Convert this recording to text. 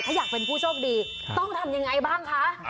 ถ้าอยากเป็นผู้โชคดีต้องทำยังไงบ้างคะ